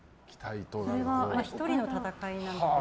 それは１人の闘いなので。